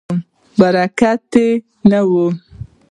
برکت یې نه و.